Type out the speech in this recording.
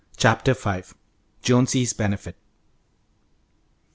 CHAPTER V. JONESY'S BENEFIT.